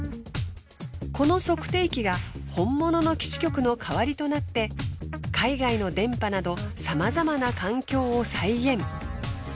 この測定器が本物の基地局の代わりとなって海外の電波など様々な環境を再現。